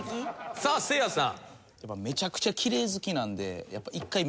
さあせいやさん。